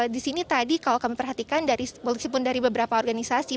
di sini tadi kalau kami perhatikan dari sepuluh sipun dari beberapa organisasi